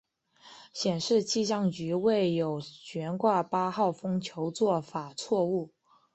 显示气象局未有悬挂八号风球做法错误。